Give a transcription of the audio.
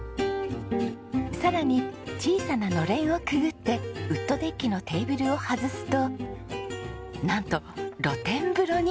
さらに小さなのれんをくぐってウッドデッキのテーブルを外すとなんと露天風呂に！